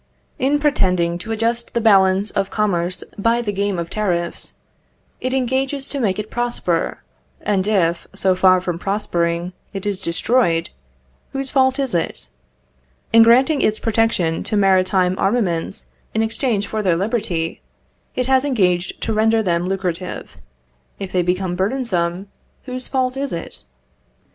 In pretending to adjust the balance of commerce by the game of tariffs, it engages to make it prosper; and if, so far from prospering, it is destroyed, whose fault is it? In granting its protection to maritime armaments in exchange for their liberty, it has engaged to render them lucrative; if they become burdensome, whose fault is it?